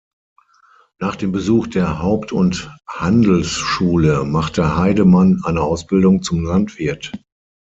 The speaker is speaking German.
Nach dem Besuch der Haupt- und Handelsschule machte Heidemann eine Ausbildung zum Landwirt.